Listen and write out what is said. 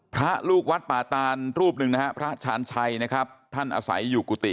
พระลูกวัดป่าตานรูปหนึ่งนะฮะพระชาญชัยนะครับท่านอาศัยอยู่กุฏิ